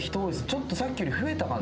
ちょっとさっきより増えたかな？